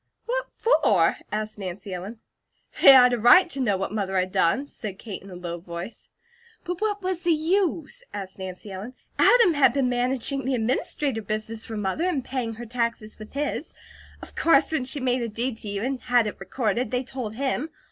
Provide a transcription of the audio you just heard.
"What for?" asked Nancy Ellen. "They had a right to know what Mother had done," said Kate in a low voice. "But what was the use?" asked Nancy Ellen. "Adam had been managing the administrator business for Mother and paying her taxes with his, of course when she made a deed to you, and had it recorded, they told him.